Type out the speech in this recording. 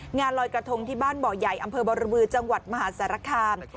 งานลอยกระทงที่บ้านบ่อใหญ่อำเภอบรบือจังหวัดมหาสารคาม